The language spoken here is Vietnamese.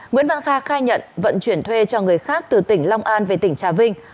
nguyễn văn kha khai nhận vận chuyển thuê cho người khác từ tỉnh long an về tỉnh trà vinh